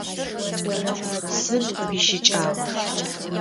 Сыд уищыкӀагъэр?